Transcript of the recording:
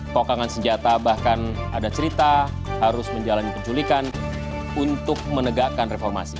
pokangan senjata bahkan ada cerita harus menjalani penculikan untuk menegakkan reformasi